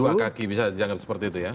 dua kaki bisa dianggap seperti itu ya